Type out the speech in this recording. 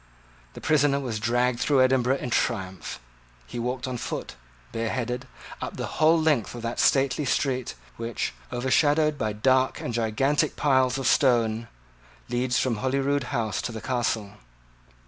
The prisoner was dragged through Edinburgh in triumph. He walked on foot, bareheaded, up the whole length of that stately street which, overshadowed by dark and gigantic piles of stone, leads from Holyrood House to the Castle.